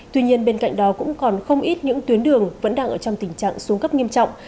tuy nhiên bên cạnh đó cũng còn không ít những tuyến đường vẫn đang ở trong tình trạng xuống cấp nghiêm trọng